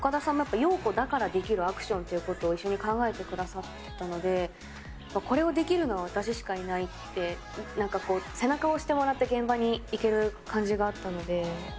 岡田さんもやっぱヨウコだからできるアクションっていうことを一緒に考えてくださったので、これをできるのは、私しかいないって、なんか背中を押してもらって現場に行ける感じがあったので。